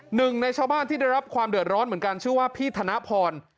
หนึ่งในชาวบ้านที่ได้รับความเดือดร้อนเหมือนกันชื่อว่าพี่ธนพร